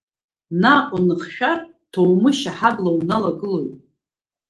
Наҟ уныхшәар, Ҭоумышь аҳабла уналагылоит.